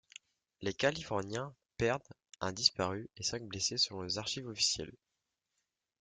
Les californiens perdent un disparus et cinq blessés selon les archives officielles.